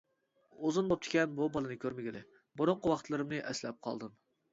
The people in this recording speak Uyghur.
ئۇزۇن بوپتىكەن، بۇ بالىنى كۆرمىگىلى، بۇرۇنقى ۋاقىتلىرىمنى ئەسلەپ قالدىم.